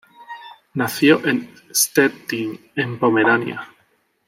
Nació en Stettin en Pomerania.